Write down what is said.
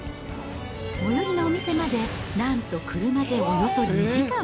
最寄りのお店まで、なんと車でおよそ２時間。